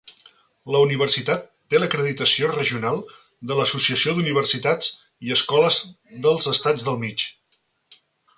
La universitat té l'acreditació regional de l'Associació d'Universitats i Escoles dels Estats del Mig.